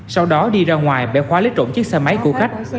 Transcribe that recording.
sau đó đi ra ngoài bẻ khóa lấy trộm chiếc xe máy của khách